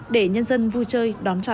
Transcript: để nhân dân vui chơi đón chào